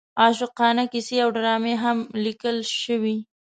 عاشقانه کیسې او ډرامې هم لیکل شوې.